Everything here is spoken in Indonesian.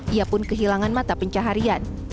ia pun kehilangan mata pencaharian